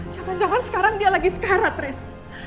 jangan jangan sekarang dia lagi sekarang race